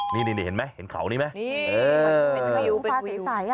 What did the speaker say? นี่เห็นไหมเห็นเขานี่ไหม